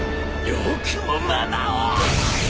よくもママを。